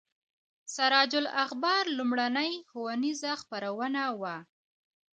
سراج الاخبار لومړنۍ ښوونیزه خپرونه وه.